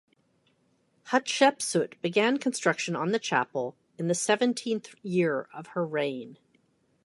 Hatshepsut began construction on the chapel in the seventeenth year of her reign.